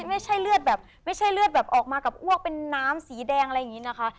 ไม่ใช่เลือดแบบไม่ใช่เลือดแบบออกมากับอ้วกเป็นน้ำสีแดงอะไรอย่างนี้นะคะ